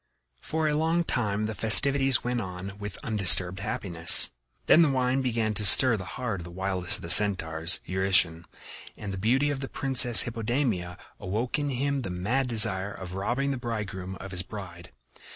For a long time the festivities went on with undisturbed happiness. Then the wine began to stir the heart of the wildest of the Centaurs, Eurytion, and the beauty of the Princess Hippodamia awoke in him the mad desire of robbing the bridegroom of his bride.